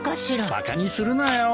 バカにするなよ。